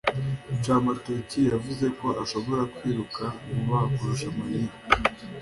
Rucamakoti yavuze ko ashobora kwiruka vuba kurusha Mariya.